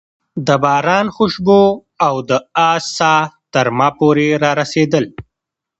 د باران خوشبو او د آس ساه تر ما پورې رارسېدل.